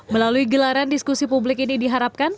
melalui gelaran diskusi publik ini diharapkan